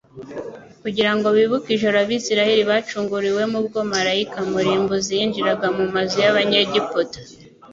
kugira ngo bibuke ijoro abisiraeli bacunguriwemo ubwo maraika murimbuzi yinjiraga mu mazu y'abanyegiputa.